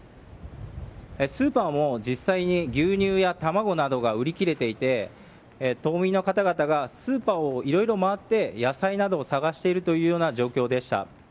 スーパーも実際に牛乳や卵などが売り切れていて島民の方々がスーパーを色々回って野菜などを探しているという状況でした。